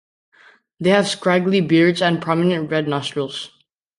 They have scraggly beards and prominent red nostrils.